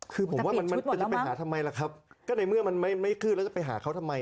คือผมว่ามันมันจะไปหาทำไมล่ะครับก็ในเมื่อมันไม่ขึ้นแล้วจะไปหาเขาทำไม